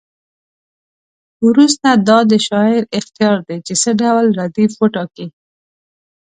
وروسته دا د شاعر اختیار دی چې څه ډول ردیف وټاکي.